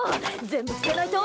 全部捨てないと！